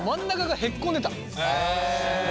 へえ。